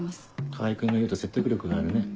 川合君が言うと説得力があるね。